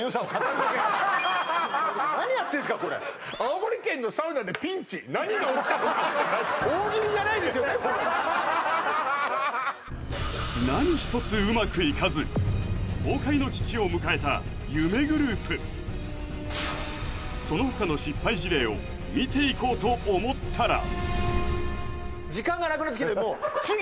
何やってんですかこれ何一つうまくいかず崩壊の危機を迎えた夢グループその他の失敗事例を見ていこうと思ったらえっ？